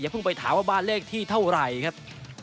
เพิ่งไปถามว่าบ้านเลขที่เท่าไหร่ครับ